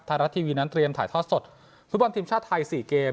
ทาระทีวีนั้นเตรียมถ่ายทอดสดทุกวันทีมชาติไทยสี่เกม